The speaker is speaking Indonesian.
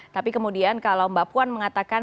tapi kemudian kalau mbak puan mengatakan